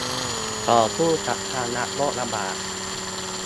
ต่อสู้กับภาวะโรคระบาด